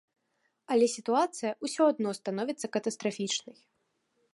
Але сітуацыя ўсё адно становіцца катастрафічнай.